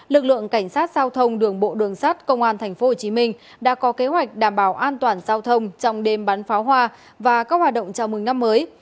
lực lượng cảnh sát giao thông đường bộ đường sát công an tp hcm đã có kế hoạch đảm bảo an toàn giao thông trong đêm bắn pháo hoa và các hoạt động chào mừng năm mới